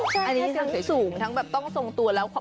อันนี้เสียงสูงทั้งแบบต้องทรงตัวแล้ว